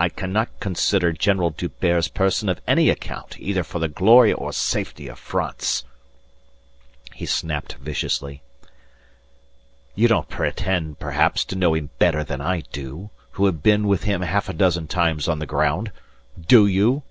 "I cannot consider General D'Hubert's person of any account either for the glory or safety of France," he snapped viciously. "You don't pretend, perhaps, to know him better than I do who have been with him half a dozen times on the ground do you?"